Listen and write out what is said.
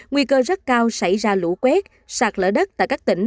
nguy cơ rất cao xảy ra lũ quét sạt lỡ đất tại các tỉnh